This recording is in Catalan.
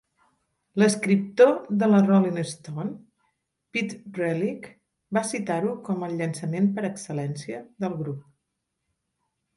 L'escriptor de la "Rolling Stone" Pete Relic va citar-ho com el "llançament per excel·lència" del grup.